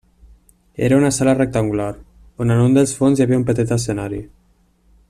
Era una sala rectangular, on en un dels fons hi havia un petit escenari.